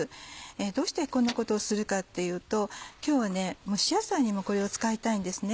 どうしてこんなことをするかっていうと今日は蒸し野菜にもこれを使いたいんですね。